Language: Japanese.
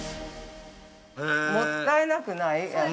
◆もったいなくない。